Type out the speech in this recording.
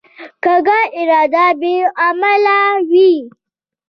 کوږه اراده بې عمله وي